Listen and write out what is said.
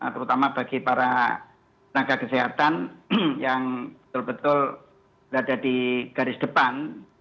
terutama bagi para tenaga kesehatan yang betul betul berada di garis depan